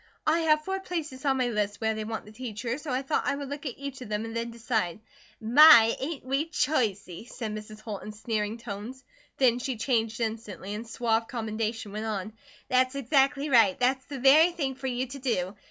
"I have four places on my list where they want the teacher, so I thought I would look at each of them and then decide." "My, ain't we choicey!" said Mrs. Holt in sneering tones. Then she changed instantly, and in suave commendation went on: "That's exactly right. That's the very thing fer you to do.